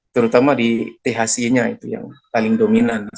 terutama di thc nya itu yang paling dominan